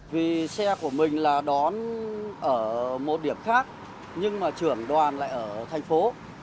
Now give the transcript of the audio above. vì xe của mình là đón ở một điểm khác nhưng mà trưởng đoàn lại ở thành phố